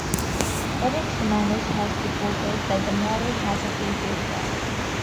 Erik Simanis has reported that the model has a fatal flaw.